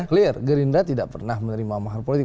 clear gerindra tidak pernah menerima mahar politik